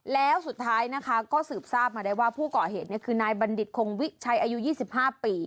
แล้วสุดท้ายนะคะก็สืบทราบมาได้ว่าผู้ก่อเหตุคือนายบัณฑิตคงวิชัยอายุ๒๕ปี